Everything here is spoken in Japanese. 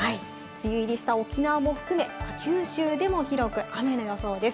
梅雨入りした沖縄も含め、九州でも広く雨の予想です。